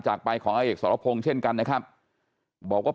จากไปของอาเอกสรพงศ์เช่นกันนะครับบอกว่า